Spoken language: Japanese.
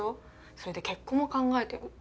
それで結婚も考えてるって。